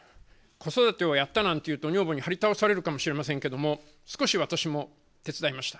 子育てをやったなんて言うと女房にはり倒されるかもしれませんが少し私も手伝いました。